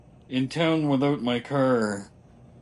In town without my car!